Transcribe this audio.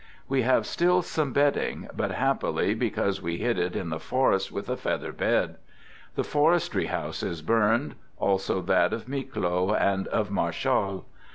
We have still some bedding, but happily because we hid it in the forest with a feather bed. The forestry house is burned, also that of Miclo and of Marchal.